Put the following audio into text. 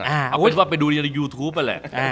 อ้าวเป็นว่าไปดูในยูทูปแหละ